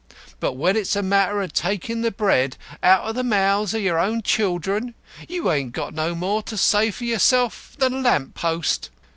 But when it's a matter of takin' the bread out o' the mouths o' your own children, you ain't got no more to say for yourself than a lamp post.